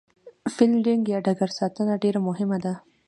فیلډینګ یا ډګر ساتنه ډېره مهمه ده.